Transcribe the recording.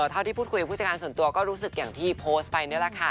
เท่าที่พูดคุยกับผู้จัดการส่วนตัวก็รู้สึกอย่างที่โพสต์ไปนี่แหละค่ะ